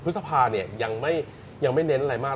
พฤษภาเนี่ยยังไม่เน้นอะไรมาก